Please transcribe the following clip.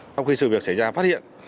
sau khi sự việc xảy ra phát hiện